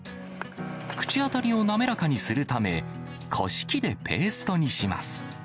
口当たりを滑らかにするため、こし器でペーストにします。